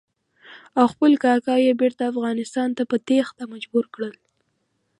او خپل کاکا یې بېرته افغانستان ته په تېښته مجبور کړ.